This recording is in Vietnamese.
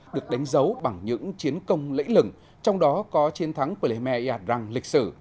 được đánh dấu bằng những chiến công lễ lửng trong đó có chiến thắng palerme yadrang lịch sử